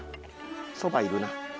そばいるな。